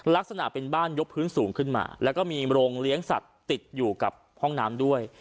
ลักษณะเป็นบ้านยกพื้นสูงขึ้นมาแล้วก็มีโรงเลี้ยงสัตว์ติดอยู่กับห้องน้ำด้วย